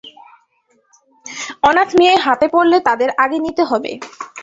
অনাথ মেয়ে হাতে পড়লে তাদের আগে নিতে হবে।